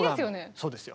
そうですよ。